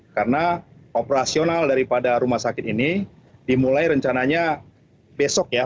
karena operasional daripada rumah sakit ini dimulai rencananya besok ya